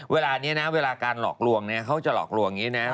เวลานี้นะเวลาการหลอกลวงเนี่ยเขาจะหลอกลวงอย่างนี้นะ